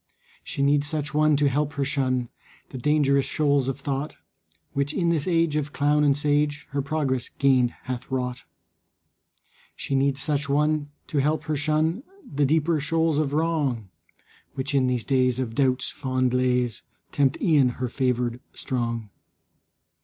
She needs such one to help her shun The dangerous shoals of thought, Which in this age of clown and sage Her progress gained hath wrought. She needs such one to help her shun The deeper shoals of wrong, Which in these days of doubt's fond lays Tempt e'en her favored strong.